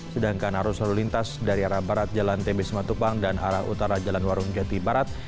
sedangkan arus lalu lintas dari arah barat jalan tbs matupang dan arah utara jalan warung jati barat